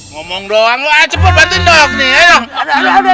ngomong doang wah cepet berdendam